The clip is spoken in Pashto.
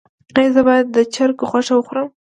ایا زه باید د چرګ غوښه وخورم؟